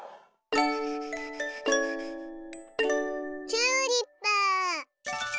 チューリップ。